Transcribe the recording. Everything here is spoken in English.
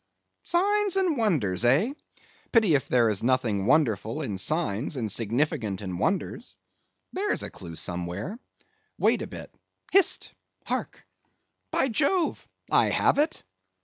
Signs and wonders, eh? Pity if there is nothing wonderful in signs, and significant in wonders! There's a clue somewhere; wait a bit; hist—hark! By Jove, I have it!